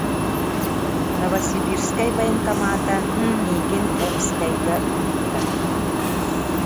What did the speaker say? Новосибирскай Военкомата миигин Омскайга ыыппыта.